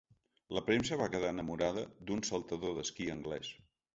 La premsa va quedar enamorada d’un saltador d’esquí anglès.